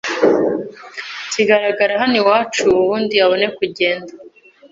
kigaragara hano iwacu ubundi abone kugenda"